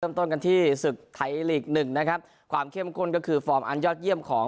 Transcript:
เริ่มต้นกันที่ศึกไทยลีกหนึ่งนะครับความเข้มข้นก็คือฟอร์มอันยอดเยี่ยมของ